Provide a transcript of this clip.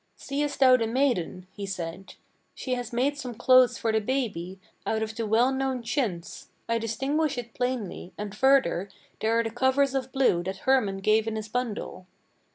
"Seest thou the maiden?" he said: "she has made some clothes for the baby Out of the well known chintz, I distinguish it plainly; and further There are the covers of blue that Hermann gave in his bundle.